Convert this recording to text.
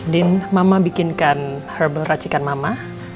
din mama bikinkan herbal racikan mama